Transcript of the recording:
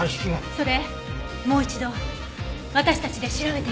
それもう一度私たちで調べてみましょう。